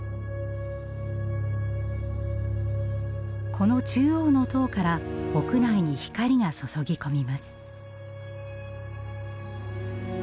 この中央の塔から屋内に光が注ぎ込みます。